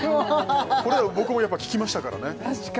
これ僕もやっぱききましたからね